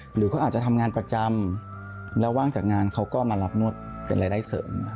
หรือเขาอาจจะทำงานประจำแล้วว่างจากงานเขาก็มารับนวดเป็นรายได้เสริม